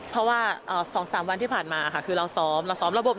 เพราะว่า๒๓วันที่ผ่านมาค่ะคือเราซ้อม